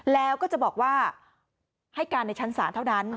แล้วก็จะบอกว่าให้การในชั้นศาลเท่านั้น